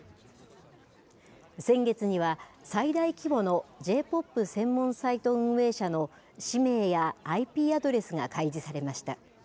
先月には最大規模のＪ−ＰＯＰ専門サイト運営者の氏名やＩＰアドレスが開示されました。